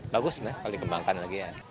bagus mbak kalau dikembangkan lagi ya